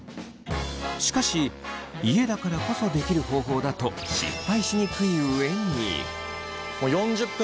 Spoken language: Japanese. しかし家だからこそできる方法だと失敗しにくい上に。